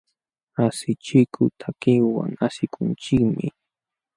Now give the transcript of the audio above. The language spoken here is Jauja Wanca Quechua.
Asichikuq takiwan asikunchikmi.